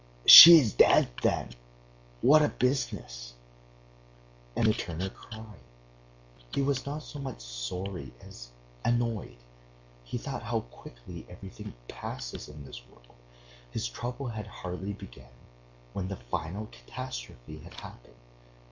"She is dead, then! What a business!" And the turner cried. He was not so much sorry as annoyed. He thought how quickly everything passes in this world! His trouble had hardly begun when the final catastrophe had happened.